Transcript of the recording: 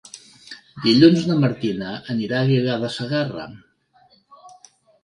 Dilluns na Martina anirà a Aguilar de Segarra.